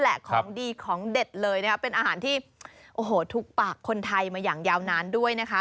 ของดีของเด็ดเลยนะคะเป็นอาหารที่โอ้โหทุกปากคนไทยมาอย่างยาวนานด้วยนะคะ